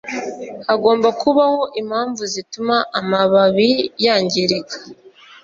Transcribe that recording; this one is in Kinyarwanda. Hagomba kubaho impamvu zituma amababi yangirika;